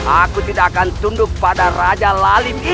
aku tidak akan tunduk pada raja lalim ini